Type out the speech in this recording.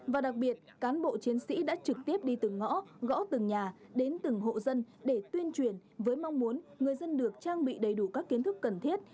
và đặc biệt cán bộ chiến sĩ đã trực tiếp đi từng ngõ gõ từng nhà đến từng hộ dân để tuyên truyền với mong muốn người dân được trang bị đầy đủ các kiến thức cần thiết